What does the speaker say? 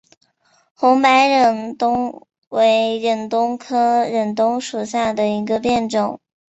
红白忍冬为忍冬科忍冬属下的一个变种。